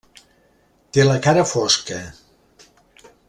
Té la cara fosca.